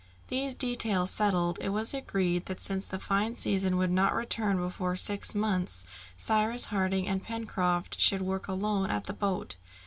These details settled, it was agreed that since the fine season would not return before six months, Cyrus Harding and Pencroft should work alone at the boat.